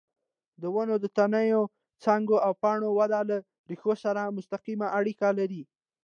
د ونو د تنې، څانګو او پاڼو وده له ریښو سره مستقیمه اړیکه لري.